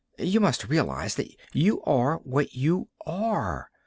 "You must realize that you are what you are.